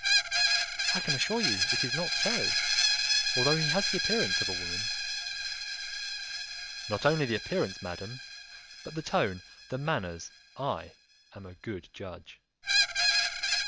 "I can assure you it is not so, although he has the appearance of a woman." "Not only the appearance, madam, but the tone, the manners; I am a good judge."